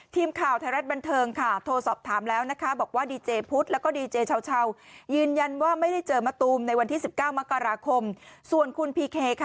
ทีมข่าวไทยรัฐบันเทิง